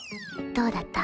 どうだった？